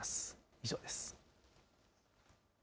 以上です。